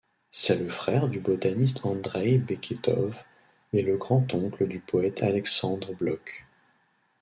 C'est le frère du botaniste Andreï Beketov et le grand-oncle du poète Alexandre Blok.